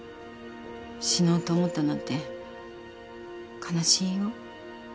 死のうと思ったなんて悲しいよ。